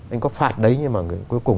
anh có phạt đấy nhưng mà cuối cùng